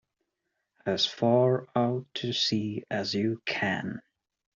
As far out to sea as you can.